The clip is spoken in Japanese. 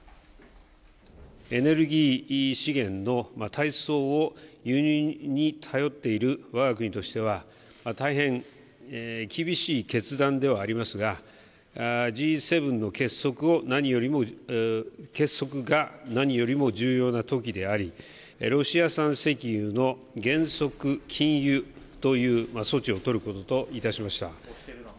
エネルギー資源の大宗を輸入に頼っているわが国としては、大変厳しい決断ではありますが、Ｇ７の結束が何よりも重要なときであり、ロシア産石油の原則禁輸という措置を取ることといたしました。